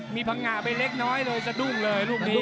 มีพังงะไปเล็กน้อยเลยสะดุ้งเลยลูกนี้